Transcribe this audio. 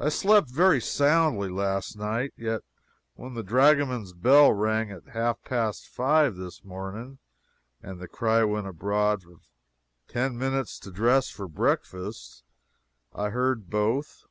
I slept very soundly last night, yet when the dragoman's bell rang at half past five this morning and the cry went abroad of "Ten minutes to dress for breakfast!" I heard both.